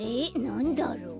なんだろう？